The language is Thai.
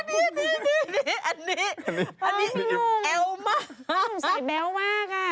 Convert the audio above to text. นุ่มใส่แบ๊วมาก